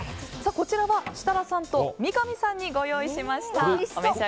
こちらは設楽さんと三上さんにご用意しました。